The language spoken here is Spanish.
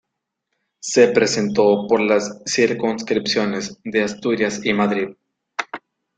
Se presentó por las circunscripciones de Asturias y Madrid.